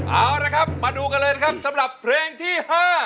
เอาละครับมาดูกันเลยนะครับสำหรับเพลงที่๕